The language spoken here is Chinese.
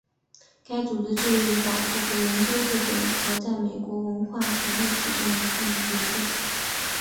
该组织致力于保护和研究瑞典和在美国文化和历史中的历史角色。